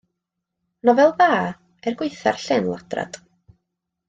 Nofel dda er gwaetha'r llên-ladrad.